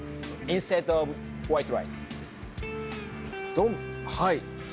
ドンはい。